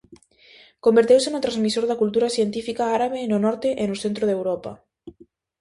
Converteuse no transmisor da cultura científica árabe no norte e no centro de Europa.